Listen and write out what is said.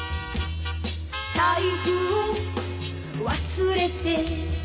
「財布を忘れて」